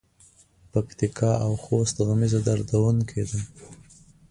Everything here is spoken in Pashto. پکتیکا او خوست غمیزه دردوونکې ده.